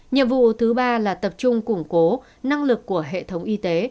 nhiệm vụ thứ ba là tập trung củng cố năng lực của hệ thống y tế